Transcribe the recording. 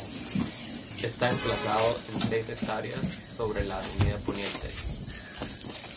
Está emplazado en seis hectáreas, sobre la avenida Pte.